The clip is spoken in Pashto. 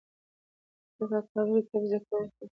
زه په کابل کې د طب زده کوونکی یم.